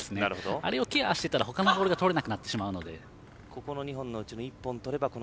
あれをケアしてたら他のボールがとれなくなってしまうので。